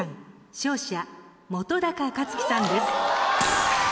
勝者本克樹さんです。